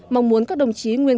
mong muốn các đồng chí nguyên